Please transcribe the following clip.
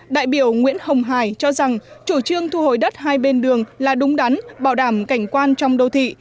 đại biểu nguyễn hồng hải cho rằng chủ trương thu hồi đất hai bên đường là đúng đắn bảo đảm cảnh quan trong đô thị